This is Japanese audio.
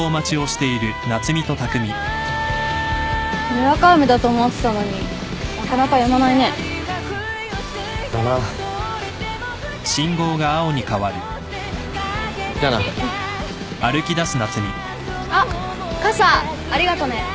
にわか雨だと思ってたのになかなかやまないね。だな。じゃあな。うん。あっ傘ありがとね。